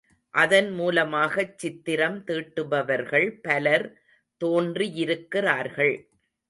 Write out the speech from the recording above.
அதன் மூலமாகச் சித்திரம் தீட்டுபவர்கள் பலர் தோன்றியிருக்கிறார்கள்.